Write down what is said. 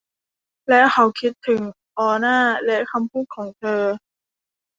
และเขาคิดถึง ออน่าและคำพูดของเธอ